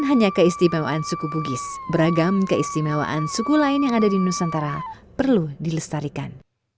hanya keistimewaan suku bugis beragam keistimewaan suku lain yang ada di nusantara perlu dilestarikan